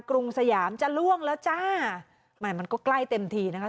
รุงสยามจะล่วงแล้วจ้าแหม่มันก็ใกล้เต็มทีนะคะ